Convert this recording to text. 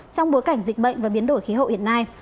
trong bối cảnh dịch bệnh và biến đổi khí hậu hiện nay